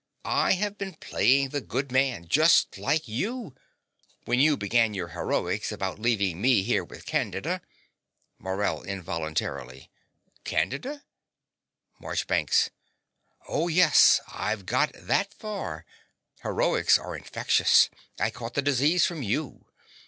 I have been playing the good man just like you. When you began your heroics about leaving me here with Candida MORELL (involuntarily). Candida? MARCHBANKS. Oh, yes: I've got that far. Heroics are infectious: I caught the disease from you.